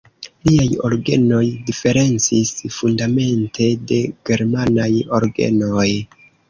Liaj orgenoj diferencis fundamente de germanaj orgenoj.